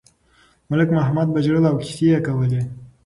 ملک محمد به ژړل او کیسې یې کولې.